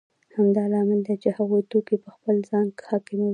همدا لامل دی چې هغوی توکي په خپل ځان حاکموي